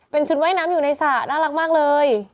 เป็นชุดว่ายน้ำอยู่ในสระน่ารักมากเลย